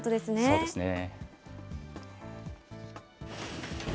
そうですね。